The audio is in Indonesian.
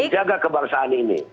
menjaga kebangsaan ini